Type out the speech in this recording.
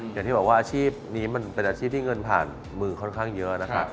อย่างที่บอกว่าอาชีพนี้มันเป็นอาชีพที่เงินผ่านมือค่อนข้างเยอะนะครับ